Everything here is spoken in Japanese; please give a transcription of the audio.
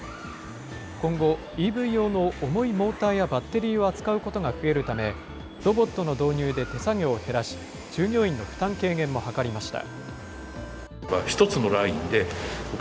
今後、ＥＶ用の重いモーターやバッテリーを扱うことが増えるため、ロボットの導入で手作業を減らし、従業員の負担軽減も図りました。